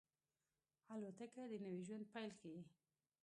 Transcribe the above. الوتکه د نوي ژوند پیل ښيي.